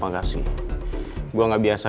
erezalo mungkin tau di internet